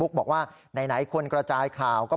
เพราะว่ามีทีมนี้ก็ตีความกันไปเยอะเลยนะครับ